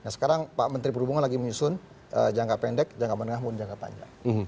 nah sekarang pak menteri perhubungan lagi menyusun jangka pendek jangka menengah maupun jangka panjang